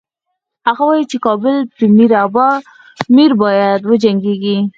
هغه وايي چې کابل امیر باید وجنګیږي.